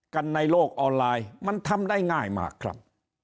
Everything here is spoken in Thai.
ในโลกออนไลน์มันทำได้ง่ายมากครับ